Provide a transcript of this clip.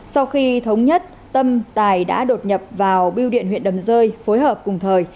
sau khi thống nhất tâm tài đã đột nhập vào biêu điện huyện đầm rơi phối hợp cùng thời